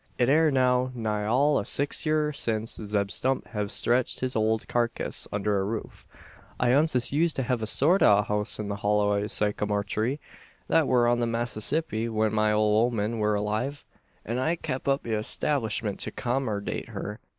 "It air now nigh all o' six yeer since Zeb Stump hev stretched his ole karkiss under a roof. I oncest used to hev a sort o' a house in the hollow o' a sycamore tree. That wur on the Massissippi, when my ole ooman wur alive, an I kep up the 'stablishment to 'commerdate her.